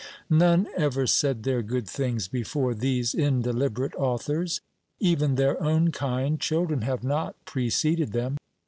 None ever said their good things before these indeliberate authors. Even their own kind children have not preceded them.